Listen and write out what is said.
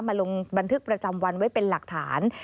ลงบันทึกประจำวันไว้เป็นหลักฐาน